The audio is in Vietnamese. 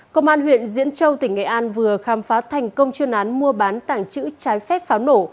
công an huyện diễn châu tỉnh nghệ an vừa khám phá thành công chuyên án mua bán tảng chữ trái phép pháo nổ